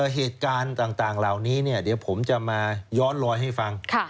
เหตุการณ์ต่างเหล่านี้เดี๋ยวผมจะมาย้อนลอยให้ฟัง